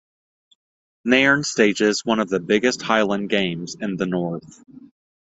Nairn stages one of the biggest Highland games in the North.